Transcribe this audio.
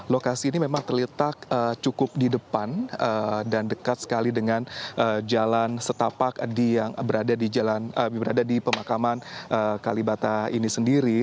lokasi ini memang terletak cukup di depan dan dekat sekali dengan jalan setapak yang berada di pemakaman kalibata ini sendiri